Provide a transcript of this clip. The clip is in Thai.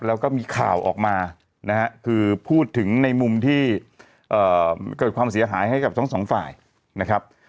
แล้วก็มีข่าวออกมานะฮะคือพูดถึงในมุมที่เกิดความเสียหายให้กับทั้งสองฝ่ายนะครับ